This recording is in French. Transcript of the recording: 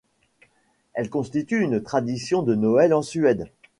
Elle constitue une tradition de Noël en Suède.